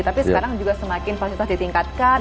tapi sekarang juga semakin fasilitas ditingkatkan